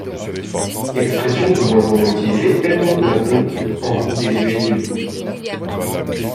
Expression de moins en moins utilisée, elle tombe peu à peu en désuétude.